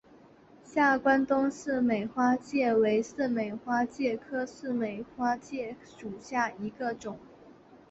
下关东似美花介为似美花介科似美花介属下的一个种。